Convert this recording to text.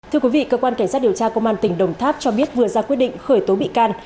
thưa quý vị cơ quan cảnh sát điều tra công an tỉnh đồng tháp cho biết vừa ra quyết định khởi tố bị can